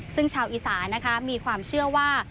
ซึ่งชาวอีสานะมีความเชื่อว่า